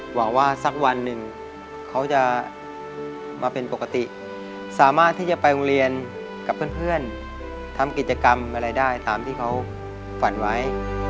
หวังว่าสักวันหนึ่งเขาจะมาเป็นปกติสามารถที่จะไปโรงเรียนกับเพื่อนทำกิจกรรมอะไรได้ตามที่เขาฝันไว้